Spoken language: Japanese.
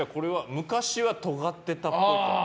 昔はとがってたっぽい。